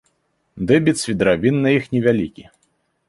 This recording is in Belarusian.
Дэбіт свідравін на іх невялікі.